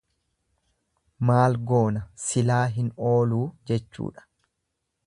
Maal goona silaa hin ooluu jechuudha.